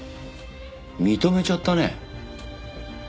認めちゃったね。